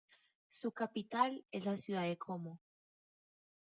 Su capital es la ciudad de Como.